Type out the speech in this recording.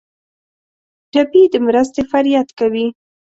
ټپي د مرستې فریاد کوي.